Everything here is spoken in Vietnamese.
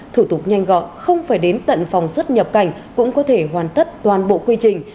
thủ tục nhanh gọn không phải đến tận phòng xuất nhập cảnh cũng có thể hoàn tất toàn bộ quy trình